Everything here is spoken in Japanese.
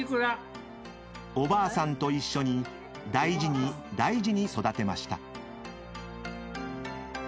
［おばあさんと一緒に大事に大事に育てました］